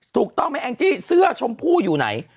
ถูกต้องไหมแองจี้เสื้อชมพู่อยู่ไหน